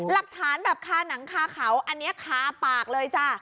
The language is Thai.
หลักฐานแบบคาหนังคาเขาอันนี้คาปากเลยจ้ะ